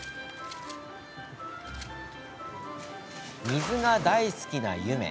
水が大好きなゆめ。